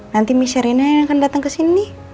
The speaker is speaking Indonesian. nanti miss rena yang akan datang ke sini